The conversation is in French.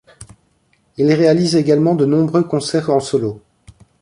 Il réalise également de nombreux concerts en solo.